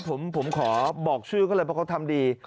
ผมขอบอกชื่อเขาเลยเพราะเขาทำดี